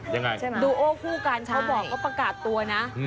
ยังไงใช่ไหมดูโอคู่กันเขาบอกเขาประกาศตัวนะ